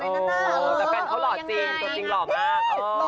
แต่แฟนเขาหล่อจริงตัวจริงหล่อมาก